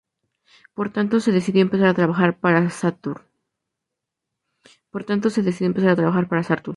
Por tanto, se decidió empezar a trabajar para Saturn.